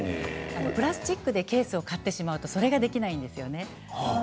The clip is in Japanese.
プラスチックでケースを買ってしまうとそれができないんですよね。